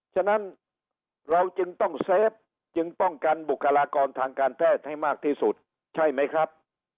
ฉะนั้นเราจึงต้องเซฟจึงป้องกันบุคลากรทางการแพทย์ให้มากที่สุดใช่ไหมครับ